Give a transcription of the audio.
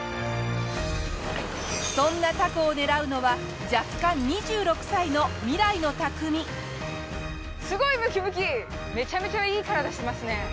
そんなタコを狙うのは弱冠２６歳のめちゃめちゃいい体してますね。